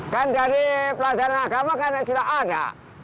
kan dari pelajaran agama kan tidak ada